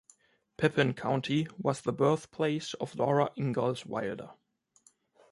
Pepin County was the birthplace of Laura Ingalls Wilder.